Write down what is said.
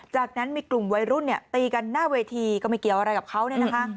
จากนั้นมีกลุ่มวัยรุ่นเนี่ยตีกันหน้าเวทีก็ไม่เกี่ยวอะไรกับเขาเนี่ยนะคะ